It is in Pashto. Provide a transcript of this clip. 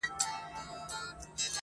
وخته! چې تا د نوي ژوند کومه نقشه راؤړې